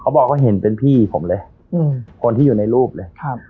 บอกว่าเห็นเป็นพี่ผมเลยอืมคนที่อยู่ในรูปเลยครับ